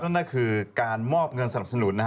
นั่นก็คือการมอบเงินสนับสนุน